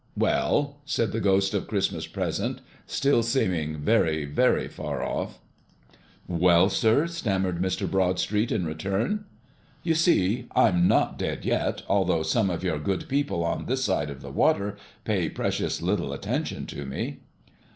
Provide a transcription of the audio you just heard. "Well?" said the Ghost of Christmas Present, still seeming very, very far off. "Well, sir?" stammered Mr. Broadstreet, in return. "You see I'm not dead yet, although some of your good people on this side of the water pay precious little attention to me."